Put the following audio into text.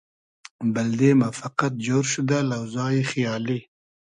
بئلدئ مۂ فئقئد جۉر شودۂ لۆزای خیالی